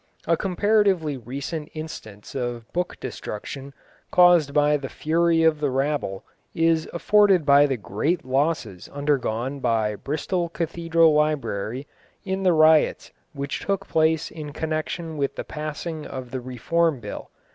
A comparatively recent instance of book destruction caused by the fury of the rabble is afforded by the great losses undergone by Bristol Cathedral library in the riots which took place in connection with the passing of the Reform Bill.